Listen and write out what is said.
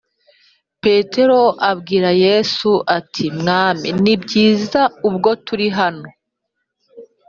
Petero abwira Yesu ati “Mwami, ni byiza ubwo turi hano